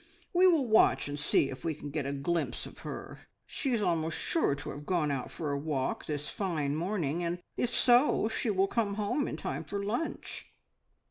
We will watch and see if we can get a glimpse of her. She is almost sure to have gone out for a walk this fine morning, and if so she will come home in time for lunch."